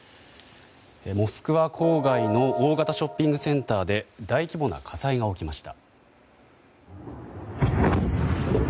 モスクワ郊外での大型ショッピングセンターで大規模な火災が起きました。